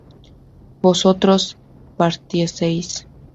vosotros partieseis